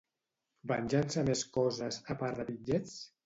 Van llençar més coses, a part de bitllets?